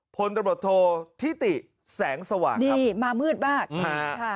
พลตำรบทโทธิติแสงสว่างครับนี่มามืดมากค่ะ